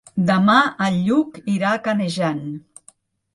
Demà en Lluc irà a Canejan.